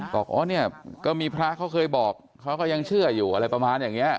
บอกอ๋อเนี่ยก็มีพระเขาเคยบอกเขาก็ยังเชื่ออยู่อะไรประมาณอย่างนี้